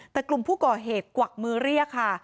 แต่กลุ่มผู้ก่อเหตุกวักมือเรียกค่ะ